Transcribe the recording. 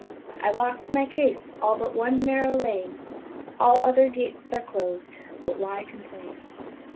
I lost my case all but one narrow lane! All other gates are closed, but why complain?